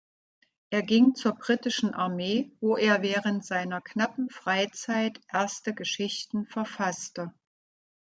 Er ging zur britischen Armee, wo er während seiner knappen Freizeit erste Geschichten verfasste.